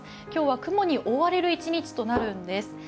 今日は雲に覆われる一日となるんです。